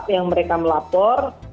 yang mereka melapor